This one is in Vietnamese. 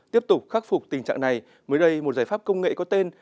tiếp tục khắc phục tình trạng này mới đây một giải pháp công nghệ có tên